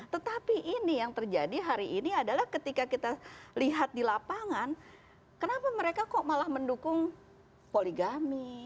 tetapi ini yang terjadi hari ini adalah ketika kita lihat di lapangan kenapa mereka kok malah mendukung poligami